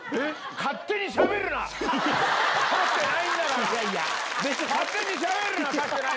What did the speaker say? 勝手にしゃべるな！